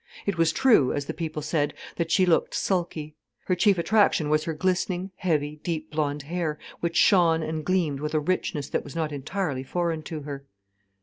It was true, as the people said, that she looked sulky. Her chief attraction was her glistening, heavy, deep blond hair, which shone and gleamed with a richness that was not entirely foreign to her.